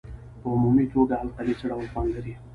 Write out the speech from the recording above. په عمومي توګه القلي څه ډول خوند لري؟